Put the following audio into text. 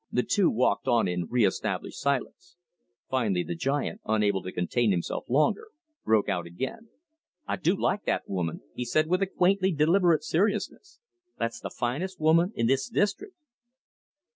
The two walked on in re established silence. Finally the giant, unable to contain himself longer, broke out again. "I do like that woman," said he with a quaintly deliberate seriousness. "That's the finest woman in this district."